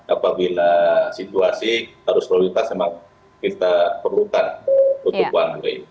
apabila situasi arus lalu lintas memang kita perlukan untuk one way